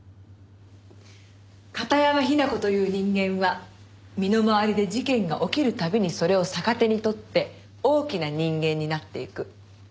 片山雛子という人間は身の回りで事件が起きる度にそれを逆手に取って大きな人間になっていく。